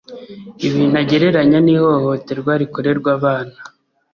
ibintu agereranya n’ihohoterwa rikorerwa abana